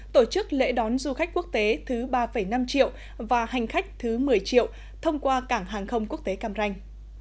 tổ chức lễ đón du khách quốc tế thứ ba năm triệu và hành khách thứ một mươi triệu thông qua cảng hàng không quốc tế cam ranh